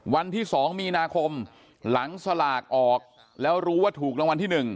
วันที่๒มีนาคมหลังสลากออกแล้วรู้ว่าถูกรางวัลที่๑